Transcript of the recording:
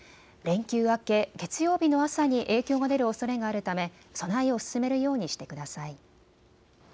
連休明け月曜日の朝に影響が出るおそれがあるため備えを進めるようにしてください。